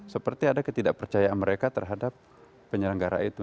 seperti ada ketidak percayaan mereka terhadap penyelenggara itu